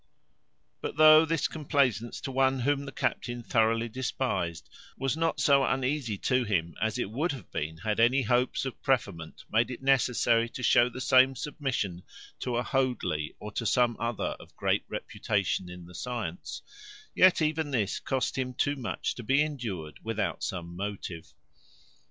But though this complacence to one whom the captain thoroughly despised, was not so uneasy to him as it would have been had any hopes of preferment made it necessary to show the same submission to a Hoadley, or to some other of great reputation in the science, yet even this cost him too much to be endured without some motive.